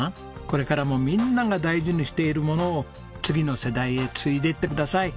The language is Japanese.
これからもみんなが大事にしているものを次の世代へ継いでいってください。